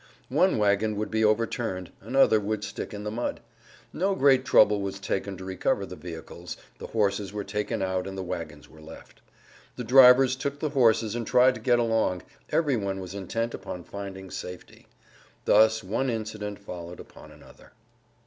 One wagon would be overturned, another one would stick in the mud. No great trouble was taken to recover the vehicles, the horses were taken out and the wagon was left. The drivers took the horses and tried to get along; every one was intent upon finding safety. Thus one incident followed upon another.